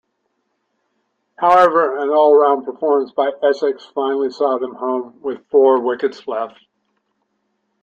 However, an all-round performance by Essex finally saw them home with four wickets left.